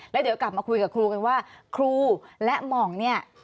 แล้วเดี๋ยวกลับมาคุยกับครูกันว่าครูและหม่องเนี่ย